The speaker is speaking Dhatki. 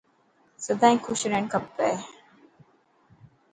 سدائين خوش رهڻ کپي.